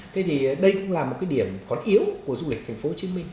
thế thì đây cũng là một cái điểm khó yếu của du lịch thành phố hồ chí minh